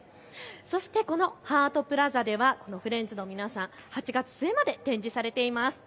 そしてこのハートプラザではフレンズの皆さん、８月末まで展示されています。